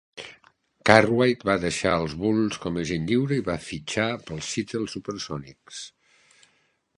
Cartwright va deixar els Bulls com agent lliure i va fitxar pels Seattle SuperSonics.